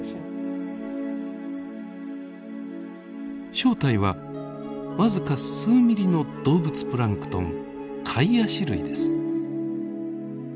正体は僅か数ミリの動物プランクトンカイアシ類です。